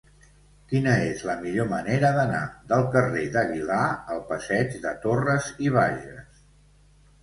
Quina és la millor manera d'anar del carrer d'Aguilar al passeig de Torras i Bages?